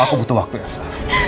aku butuh waktu elsa